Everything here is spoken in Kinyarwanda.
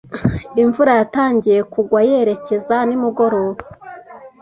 Imvura yatangiye kugwa yerekeza nimugoroba.